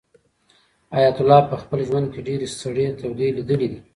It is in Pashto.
حیات الله په خپل ژوند کې ډېرې سړې تودې لیدلې دي.